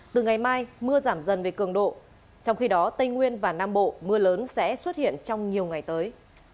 từ ngày mai mưa giảm dần về cường độ trong khi đó tây nguyên và nam bộ mưa lớn sẽ xuất hiện trong nhiều ngày tới